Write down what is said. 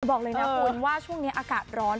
บอกเลยนะคุณว่าช่วงนี้อากาศร้อน